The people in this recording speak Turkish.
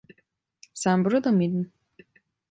Sen burada mıydın?